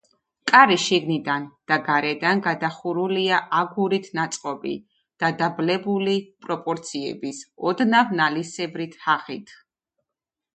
კარი შიგნიდან და გარედან გადახურულია აგურით ნაწყობი, დადაბლებული პროპორციების, ოდნავ ნალისებრი თაღით.